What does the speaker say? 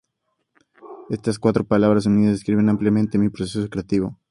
Es hermano del documentalista ganador del Óscar Kevin Macdonald.